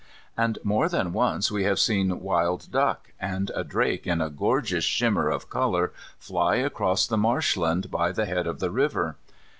And more than once we have seen wild duck, and a drake in a gorgeous shimmer of colour fly across the marshland by the head of the river.